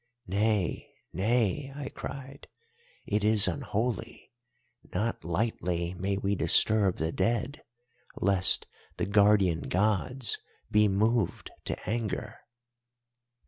"'Nay, nay,' I cried. 'It is unholy—not lightly may we disturb the dead, lest the Guardian Gods be moved to anger.